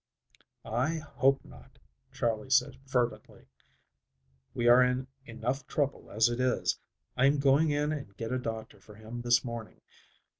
"I hope not," Charley said fervently. "We are in enough trouble as it is. I am going in and get a doctor for him this morning.